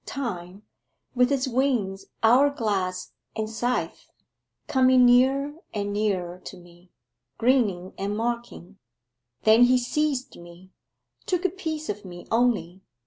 Time, with his wings, hour glass, and scythe, coming nearer and nearer to me grinning and mocking: then he seized me, took a piece of me only...